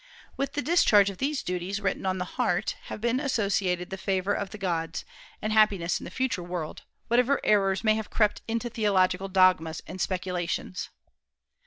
With the discharge of these duties, written on the heart, have been associated the favor of the gods, and happiness in the future world, whatever errors may have crept into theological dogmas and speculations.